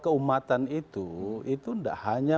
keumatan itu itu tidak hanya